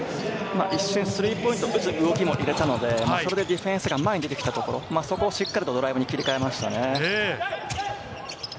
一瞬スリーポイント打つ動きも入れたので、それでディフェンスが前に出てきたところ、そこをしっかりドライブに切り替えましたね。